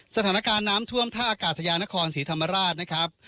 สถานการณ์น้ำท่วมท่าอากาศยานครศรีธรรมราชนะครับ